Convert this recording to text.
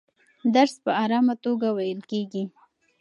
درس په ارامه توګه ویل کېږي.